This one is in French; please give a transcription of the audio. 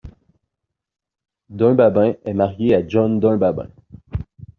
Dunbabin est mariée à John Dunbabin.